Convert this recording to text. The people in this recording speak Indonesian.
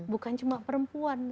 bukan cuma perempuan